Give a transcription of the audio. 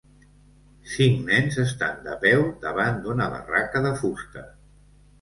Cinc nens estan de peu davant d'una barraca de fusta.